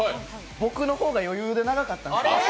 僕の方が余裕で長かったんです。